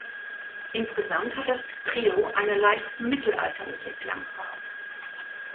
Insgesamt hat das Trio eine leicht „mittelalterliche“ Klangfarbe.